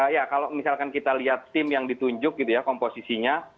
ya kalau misalkan kita lihat tim yang ditunjuk gitu ya komposisinya